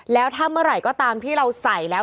แล้วถ้าเมื่อไหร่ก็ตามที่เราใส่แล้ว